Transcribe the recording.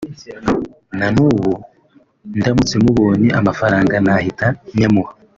na n’ubu ndamutse mubonye amafaranga nahita nyamuha